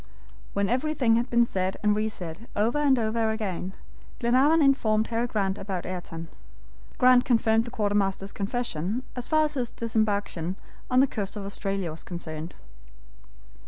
When everything had been said and re said over and over again, Glenarvan informed Harry Grant about Ayrton. Grant confirmed the quartermaster's confession as far as his disembarkation on the coast of Australia was concerned.